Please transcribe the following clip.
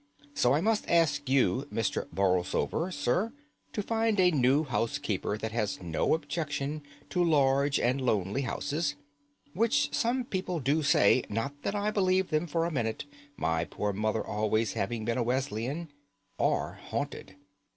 So I must ask you, Mr. Borlsover, sir, to find a new housekeeper that has no objection to large and lonely houses, which some people do say, not that I believe them for a minute, my poor mother always having been a Wesleyan, are haunted.